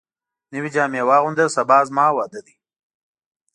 نوي جامي واغونده ، سبا زما واده دی